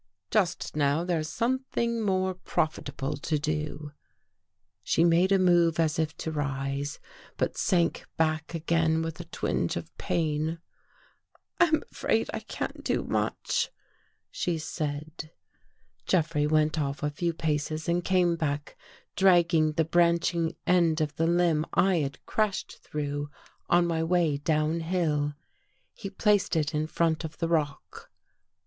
" Just now there's some thing more profitable to do." 287 THE GHOST GIRL She made a move as if to rise, but sank back again with a little twinge of pain. " I'm afraid I can't do much," she said. Jeffrey went off a few paces and came back drag ging the branching end of the limb I had crashed through on my way down hill. He placed it in front of the rock.